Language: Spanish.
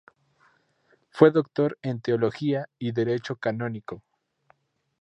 Fue doctor en Teología y Derecho Canónico.